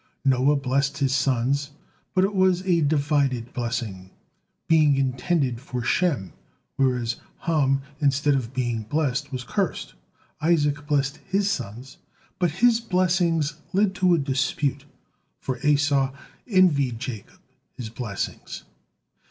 Noah blessed his sons, but it was a divided blessing, being intended for Shem, whereas Ham, instead of being blessed, was cursed. Isaac blessed his sons, but his blessings led to a dispute, for Esau envied Jacob his blessings.